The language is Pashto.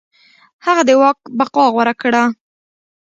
هغه د واک بقا غوره کړه.